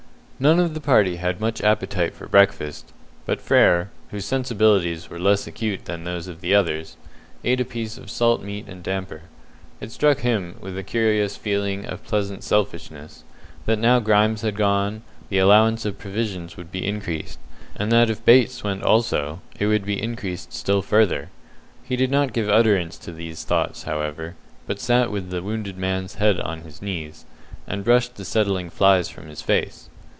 None of the party had much appetite for breakfast, but Frere, whose sensibilities were less acute than those of the others, ate a piece of salt meat and damper. It struck him, with a curious feeling of pleasant selfishness, that now Grimes had gone, the allowance of provisions would be increased, and that if Bates went also, it would be increased still further. He did not give utterance to his thoughts, however, but sat with the wounded man's head on his knees, and brushed the settling flies from his face.